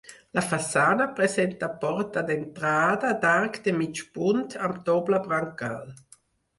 La façana presenta porta d'entrada d'arc de mig punt amb doble brancal.